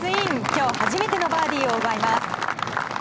今日初めてのバーディーを奪います。